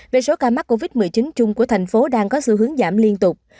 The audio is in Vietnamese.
về số ca mắc covid một mươi chín chung của thành phố đang có xu hướng giảm liên tục